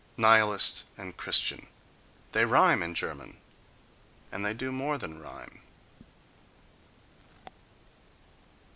Nihilist and Christian: they rhyme in German, and they do more than rhyme....